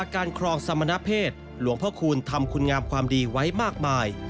ครองสมณเพศหลวงพ่อคูณทำคุณงามความดีไว้มากมาย